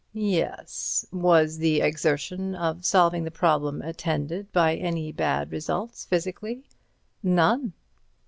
"Yes. Was the exertion of solving the problem attended by any bad results physically?" "None."